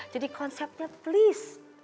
jadi konsepnya please